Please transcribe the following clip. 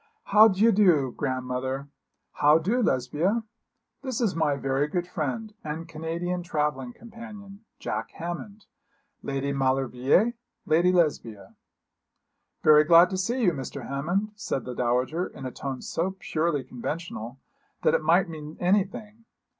'How d'ye do, grandmother? how do, Lesbia? This is my very good friend and Canadian travelling companion, Jack Hammond Lady Maulevrier, Lady Lesbia.' 'Very glad to see you, Mr. Hammond,' said the dowager, in a tone so purely conventional that it might mean anything.